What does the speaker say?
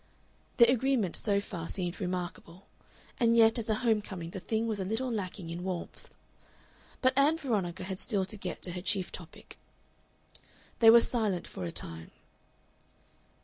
Their agreement so far seemed remarkable, and yet as a home coming the thing was a little lacking in warmth. But Ann Veronica had still to get to her chief topic. They were silent for a time.